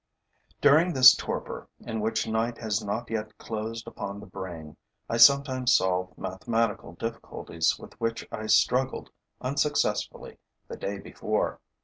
During this torpor, in which night has not yet closed upon the brain, I sometimes solve mathematical difficulties with which I struggled unsuccessfully the day before.